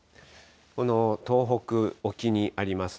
この東北沖にあります